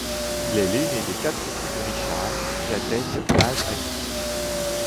Il est l'aîné des quatre fils de Richard qui atteignent l'âge adulte.